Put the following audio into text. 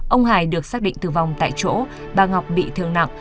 ông hải được xác định tử vong tại chỗ bà ngọc bị thương nặng